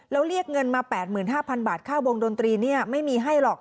แล้วเรียกเงินมา๘๕๐๐บาทค่าวงดนตรีไม่มีให้หรอก